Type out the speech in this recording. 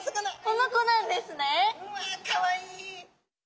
この子なんですね！かわいい！